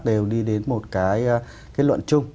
đều đi đến một luận chung